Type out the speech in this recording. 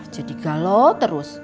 jadi galau terus